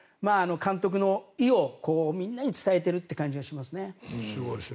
監督の意をみんなに伝えているという感じがしますね。